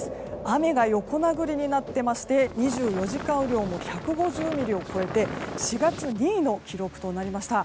雨が横殴りになってまして２４時間雨量も１５０ミリを超えて４月、２位の記録となりました。